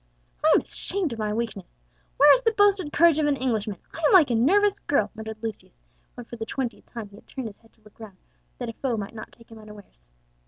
"I am ashamed of my weakness. Where is the boasted courage of an Englishman? I am like a nervous girl!" muttered Lucius, when for the twentieth time he had turned his head to look round, that a foe might not take him unawares.